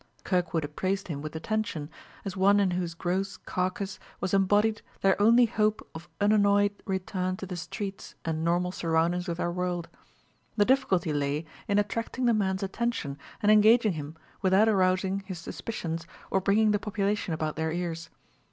Kirkwood appraised him with attention, as one in whose gross carcass was embodied their only hope of unannoyed return to the streets and normal surroundings of their world. The difficulty lay in attracting the man's attention and engaging him without arousing his suspicions or bringing the population about their ears.